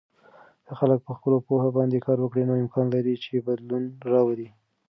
که خلک په خپلو پوهه باندې کار وکړي، نو امکان لري چې بدلون راولي.